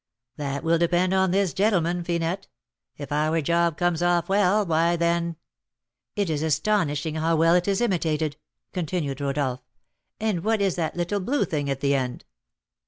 "That will depend on this gentleman, Finette. If our job comes off well, why then " "It is astonishing how well it is imitated," continued Rodolph. "And what is that little blue thing at the end?"